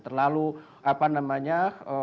terlalu apa namanya